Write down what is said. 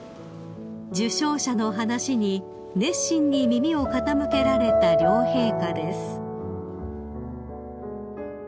［受賞者の話に熱心に耳を傾けられた両陛下です］